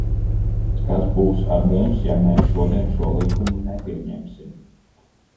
Kas būs ar mums, ja mēs šodien šo likumu nepieņemsim?